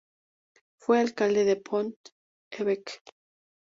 Fue alcalde de Pont-l'Évêque.